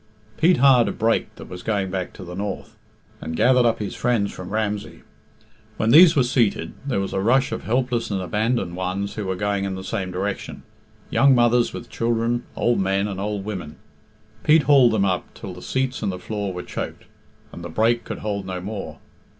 Pete hired a brake that was going back to the north, and gathered up his friends from Ramsey. When these were seated, there was a rush of helpless and abandoned ones who were going in the same direction young mothers with children, old men and old women. Pete hauled them up till the seats and the floor were choked, and the brake could hold no more.